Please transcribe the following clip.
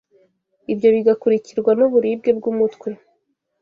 ibyo bigakurikirwa n’uburibwe bw’umutwe